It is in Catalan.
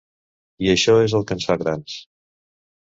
I això és el que ens fa grans.